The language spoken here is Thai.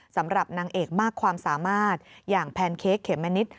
สำหรับนางเอกมากความสามารถอย่างแพนเค้กเขมมะนิด